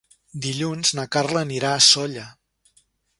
Dilluns na Carla anirà a Sóller.